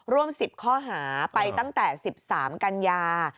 ร่วม๑๐ข้อหาไปตั้งแต่๑๓กันยา